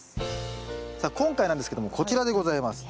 さあ今回なんですけどもこちらでございます。